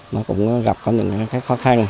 nó cũng gặp có những khó khăn